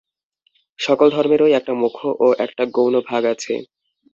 সকল ধর্মেরই একটা মুখ্য ও একটা গৌণ ভাগ আছে।